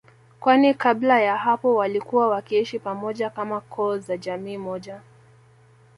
kwani kabla ya hapo walikuwa wakiishi pamoja kama koo za jamii moja